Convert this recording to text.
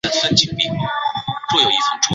有一项研究也认为凤梨酶会增加心跳率。